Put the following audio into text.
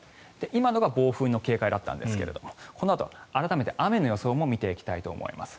今のが暴風の警戒だったんですがこのあと改めて雨の予想を見ていきたいと思います。